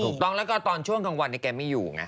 ถูกต้องแล้วก็ตอนช่วงกลางวันแกไม่อยู่ไง